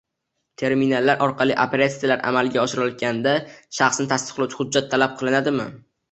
terminallar orqali operatsiyalar amalga oshirilganda shaxsini tasdiqlovchi hujjat talab qilinadimi?